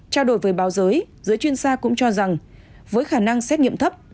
trao đổi với báo giới giới chuyên sa cũng cho rằng với khả năng xét nghiệm thấp